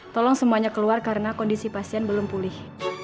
tolong semuanya keluar karena kondisi pasien belum pulih